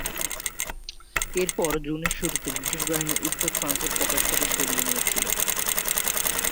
এরপর জুনের শুরুতে, ব্রিটিশ বাহিনী উত্তর ফ্রান্সের পকেট থেকে সরিয়ে নিয়েছিল।